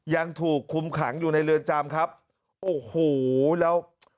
ยังถูกคุมขังอยู่ในเรือนจำครับโอ้โหแล้ว